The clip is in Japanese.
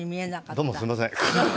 どうもすいません。